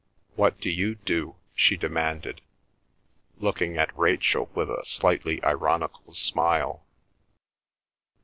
What do you do?" she demanded, looking at Rachel with a slightly ironical smile.